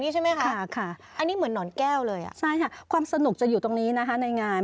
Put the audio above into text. ใช่ค่ะความสนุกจะอยู่ตรงนี้ในงาน